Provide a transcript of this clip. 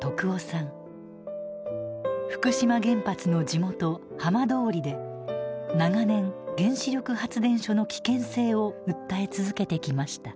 福島原発の地元浜通りで長年原子力発電所の危険性を訴え続けてきました。